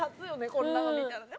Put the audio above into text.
こんなの見たらね。